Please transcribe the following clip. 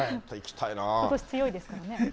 ことし強いですからね。